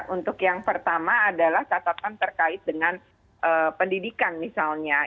untuk yang pertama adalah catatan terkait dengan pendidikan misalnya